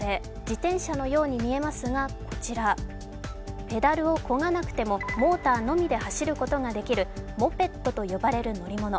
自転車のように見えますが、こちらペダルをこがなくてもモーターのみで走ることができるモペットと呼ばれる乗り物。